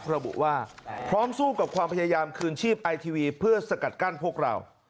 ระบุว่าพร้อมสู้กับความพยายามคืนชีพไอทีวีเพื่อสกัดกั้นพวกเรา